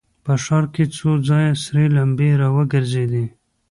په ښار کې څو ځایه سرې لمبې را وګرځېدې.